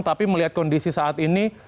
tapi melihat kondisi saat ini